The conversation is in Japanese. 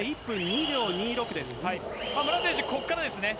武良選手、ここからですね。